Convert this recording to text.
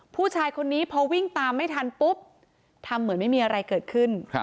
ผู้ชายคนนี้พอวิ่งตามไม่ทันปุ๊บทำเหมือนไม่มีอะไรเกิดขึ้น